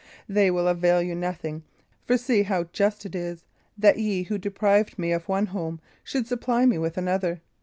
"They will avail you nothing. For see how just it is, that you who deprived me of one home, should supply me with another.